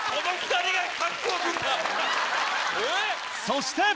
そして